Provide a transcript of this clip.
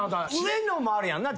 上のもあるやんな。